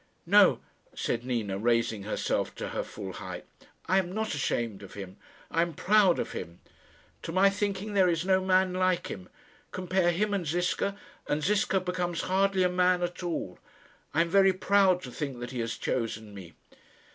"No," said Nina, raising herself to her full height; "I am not ashamed of him. I am proud of him. To my thinking there is no man like him. Compare him and Ziska, and Ziska becomes hardly a man at all. I am very proud to think that he has chosen me."